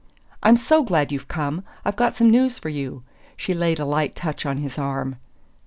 "I'm so glad you've come! I've got some news for you." She laid a light touch on his arm.